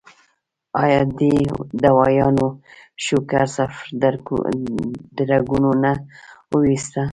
ايا دې دوايانو شوګر صرف د رګونو نه اوويستۀ